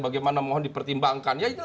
bagaimana mohon dipertimbangkan